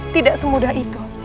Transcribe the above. tidak semudah itu